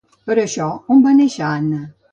Per això, on va néixer Anna?